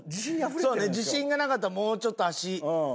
そうね自信がなかったらもうちょっと足。